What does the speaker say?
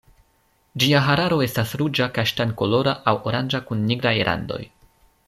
Ĝia hararo estas ruĝa kaŝtan-kolora aŭ oranĝa kun nigraj randoj.